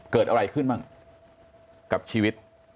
เกิดอะไรขึ้นบ้างกับชีวิต